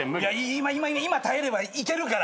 今耐えればいけるから。